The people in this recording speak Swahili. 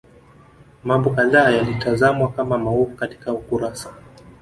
Mambo kadhaa yalitazamwa kama maovu katika ukurasa